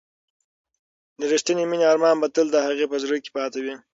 د ریښتینې مینې ارمان به تل د هغې په زړه کې پاتې وي.